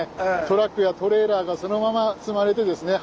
トラックやトレーラーがそのまま積まれてですね